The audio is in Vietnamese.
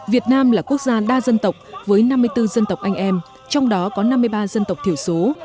việt nam là quốc gia đa dân tộc với năm mươi bốn dân tộc anh em trong đó có năm mươi ba dân tộc thiểu số